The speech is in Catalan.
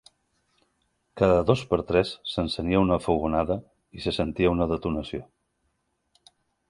Cada dos per tres s'encenia una fogonada i se sentia una detonació.